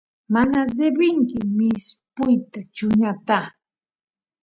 mana debenki mishpuyta chuñuta